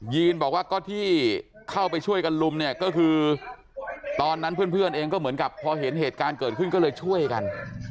ีนบอกว่าก็ที่เข้าไปช่วยกันลุมเนี่ยก็คือตอนนั้นเพื่อนเองก็เหมือนกับพอเห็นเหตุการณ์เกิดขึ้นก็เลยช่วยกัน